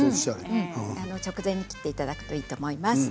直前に切っていただいていいと思います。